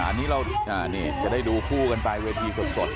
อันนี้เราจะได้ดูคู่กันไปเวทีสด